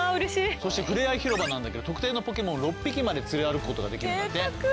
そしてふれあいひろばなんだけど特定のポケモンを６匹まで連れ歩くことができるんだって。